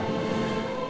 tapi aku tidak bisa